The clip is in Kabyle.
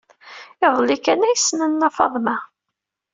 Iḍelli kan ay ssnen Nna Faḍma.